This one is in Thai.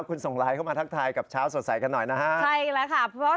ขอบคุณส่งไลน์เข้ามาทักทายกับเช้าสดใสกันหน่อยนะครับ